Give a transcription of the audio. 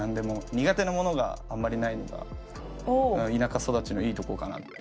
苦手なものがあんまりないのが田舎育ちのいいとこかなっていう。